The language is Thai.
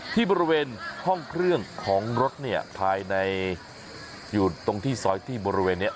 ที่บริเวณห้องเครื่องของรถเนี่ยภายในอยู่ตรงที่ซอยที่บริเวณนี้